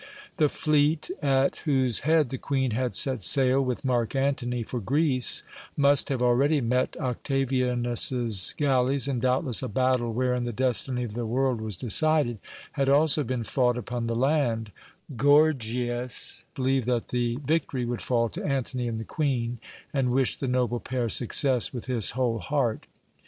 The fleet, at whose head the Queen had set sail, with Mark Antony, for Greece, must have already met Octavianus's galleys, and doubtless a battle wherein the destiny of the world was decided had also been fought upon the land, Gorgias believed that the victory would fall to Antony and the Queen, and wished the noble pair success with his whole heart.